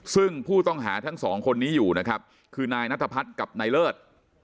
ซึ่งผู้ต้องหาทั้งสองคนนี้อยู่นะครับคือนายนัทพัฒน์กับนายเลิศ